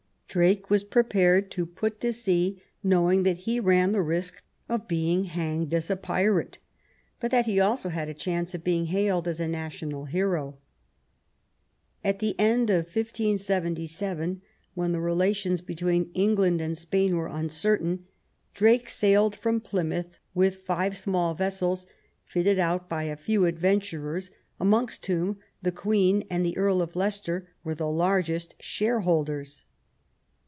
Drake was prepared to put to sea, knowing that he ran the risk of being hanged as a pirate, but that he also had a chance of being hailed as a national hero. At the end of 1577, when the relations between England and Spain were uncertain, Drake sailed from Plymouth with five small vessels, fitted out by a few adventurers, amongst whom the Queen and the Earl of Leicester were the largest shareholders.